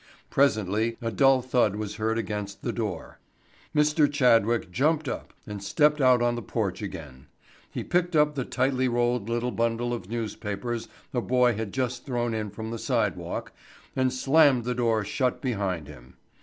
Presently a dull thud was heard against the door. Mr. Chadwick jumped up and stepped out on the porch again. He picked up the tightly rolled little bundle of newspapers a boy had just thrown in from the sidewalk, and slammed the door shut behind him.